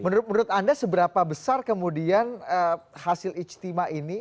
menurut anda seberapa besar kemudian hasil ijtima ini